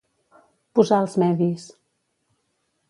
Posar els medis.